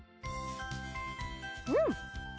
うん！